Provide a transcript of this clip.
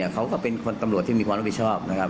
เขาก็เป็นคนตำรวจที่มีความรับบิชอบ